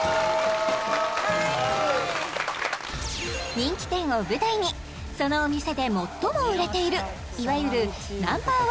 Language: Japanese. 人気店を舞台にそのお店で最も売れているいわゆるＮｏ．１